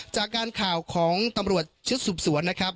จากการข่าวของตำรวจชุดสืบสวนนะครับ